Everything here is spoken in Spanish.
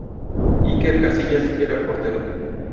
Iker Casillas era el portero.